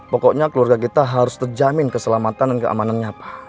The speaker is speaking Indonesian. pokoknya keluarga kita harus terjamin keselamatan dan keamanannya apa